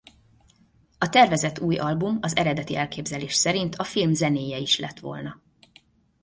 A tervezett új album az eredeti elképzelés szerint a film zenéje is lett volna.